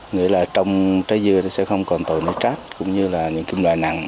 nghĩa là trong trái dưa nó sẽ không còn tội nữ trát cũng như là những kim loại nặng